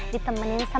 ditemenin sama siapa